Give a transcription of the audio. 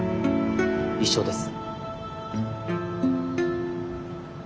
一生です。